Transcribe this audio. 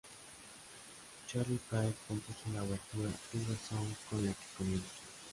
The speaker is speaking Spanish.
Charlie Pride compuso la obertura "River Song" con la que comienza.